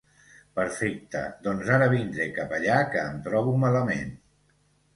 Perfecte doncs ara vindré cap allà que em trobo malament.